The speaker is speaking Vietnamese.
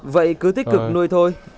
vậy cứ tích cực nuôi thôi